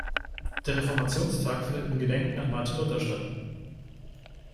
Der Reformationstag findet in Gedenken an Martin Luther statt.